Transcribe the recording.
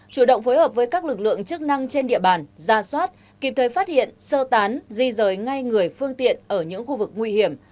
chủ động phối hợp với các lực lượng chức năng trên địa bàn ra soát kịp thời phát hiện sơ tán di rời ngay người phương tiện ở những khu vực nguy hiểm